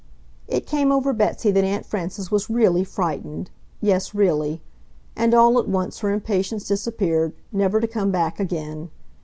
It came over Betsy that Aunt Frances was really frightened, yes, really; and all at once her impatience disappeared, never to come back again.